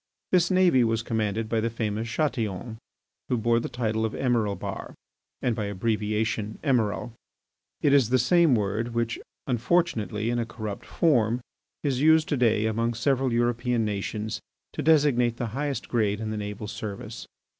This navy was commanded by the famous Chatillon, who bore the title of Emiralbahr, and by abbreviation Emiral. It is the same word which, unfortunately in a corrupt form, is used to day among several European nations to designate the highest grade in the naval service.